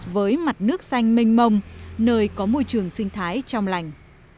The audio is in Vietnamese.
với mặt nước xanh mênh mông nơi có môi trường sinh thái trong lành